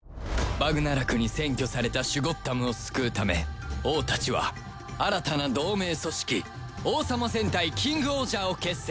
バグナラクに占拠されたシュゴッダムを救うため王たちは新たな同盟組織王様戦隊キングオージャーを結成